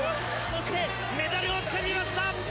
そして、メダルをつかみました。